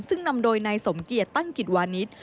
ซึ่งนำโดยนายสมเกียจตั้งกิจวานิส